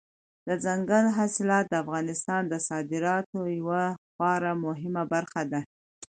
دځنګل حاصلات د افغانستان د صادراتو یوه خورا مهمه برخه ده.